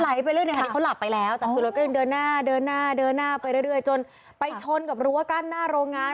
ไปเรื่อยในขณะนี้เขาหลับไปแล้วแต่คือรถก็ยังเดินหน้าเดินหน้าเดินหน้าไปเรื่อยจนไปชนกับรั้วกั้นหน้าโรงงาน